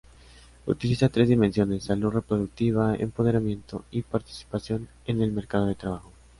Utiliza tres dimensiones: salud reproductiva, empoderamiento, y participación en el mercado de trabajo.